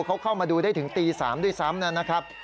เขาเข้ามาดูได้ถึงตี๓ด้วยซ้ำนะครับ